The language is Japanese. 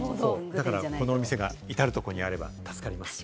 だから、このお店が至るところにあれば助かります。